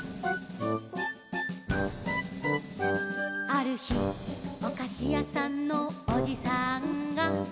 「あるひおかしやさんのおじさんが」